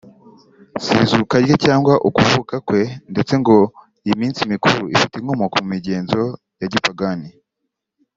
si izuka rye cyangwa ukuvuka kwe ndetse ngo iyi minsi mikuru ifite inkomoko mu migenzo ya gipagani